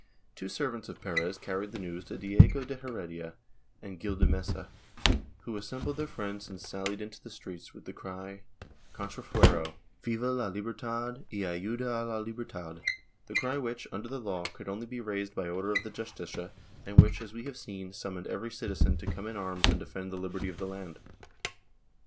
Two servants of Perez carried the news to Diego de Heredia and Gil de Mesa, who assembled their friends and sallied into the streets, with the cry, Contrafuero! Viva la lihertad yayudaala liber tad! — the cry which, under the law, could only be raised by order of the Justicia and which, as we have seen, summoned every citizen to come in arms and defend the liberty of the land.